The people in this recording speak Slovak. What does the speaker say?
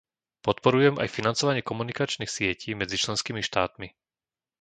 Podporujem aj financovanie komunikačných sietí medzi členskými štátmi.